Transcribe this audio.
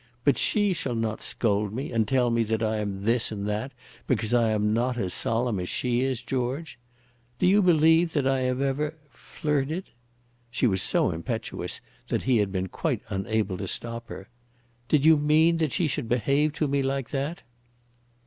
But she shall not scold me, and tell me that I am this and that because I am not as solemn as she is, George. Do you believe that I have ever flirted?" She was so impetuous that he had been quite unable to stop her. "Did you mean that she should behave to me like that?"